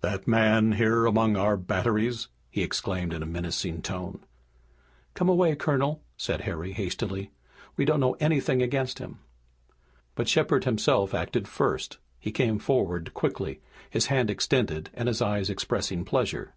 "That man here among our batteries!" he exclaimed in a menacing tone. "Come away, colonel!" said Harry hastily. "We don't know anything against him!" But Shepard himself acted first. He came forward quickly, his hand extended, and his eyes expressing pleasure.